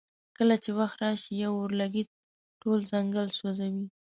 کله چې وخت راشي یو اورلګیت ټول ځنګل سوځوي.